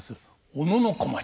小野小町。